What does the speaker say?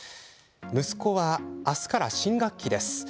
息子は明日から新学期です。